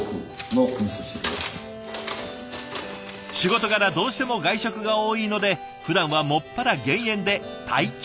仕事柄どうしても外食が多いのでふだんは専ら減塩で体調管理とか。